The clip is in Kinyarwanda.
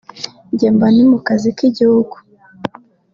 njye mba ndi ku kazi k’igihugu